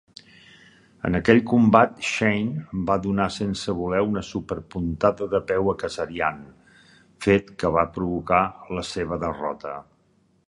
En aquell combat, Shane va donar sense voler una superpuntada de peu a Kazarian, fet que va provocar la seva derrota.